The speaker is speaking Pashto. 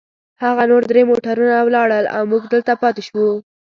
هغه نور درې موټرونه ولاړل، او موږ دلته پاتې شوو.